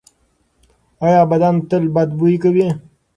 ایا بدن تل بد بوی کوي؟